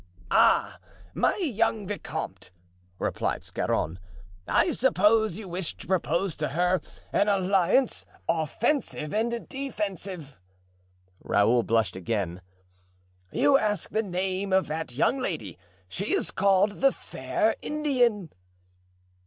"Ah! my young vicomte," replied Scarron, "I suppose you wish to propose to her an alliance offensive and defensive." Raoul blushed again. "You asked the name of that young lady. She is called the fair Indian."